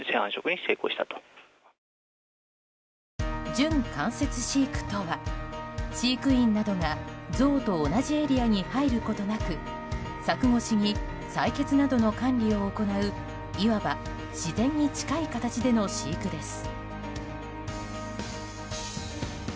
準間接飼育とは飼育員などがゾウと同じエリアに入ることなく柵越しに採決などの管理を行ういわば自然に近い形での飼育です。